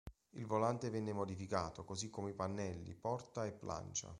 Il volante venne modificato, così come i pannelli porta e plancia.